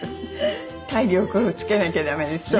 体力をつけなきゃダメですね。